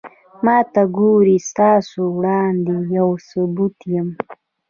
ما ته گورې ستاسو وړاندې يو ثبوت يم